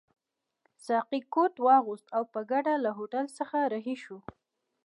ساقي کوټ واغوست او په ګډه له هوټل څخه رهي شوو.